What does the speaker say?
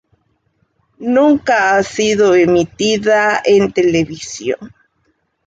Nunca ha sido emitida en televisión.